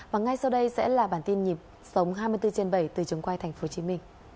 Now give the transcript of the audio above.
và ngay sau đây sẽ là bản tin nhịp sống hai mươi bốn trên bảy từ trường quay tp hcm